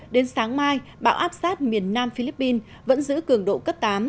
đến sáng mai bão áp sát miền nam philippines vẫn giữ cường độ cấp tám